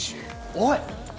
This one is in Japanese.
おい！